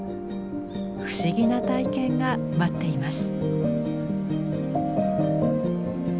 不思議な体験が待っています。